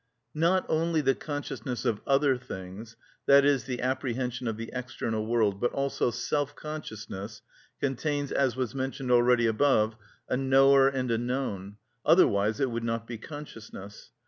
Not only the consciousness of other things, i.e., the apprehension of the external world, but also self consciousness, contains, as was mentioned already above, a knower and a known; otherwise it would not be consciousness.